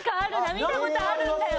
見た事あるんだよ。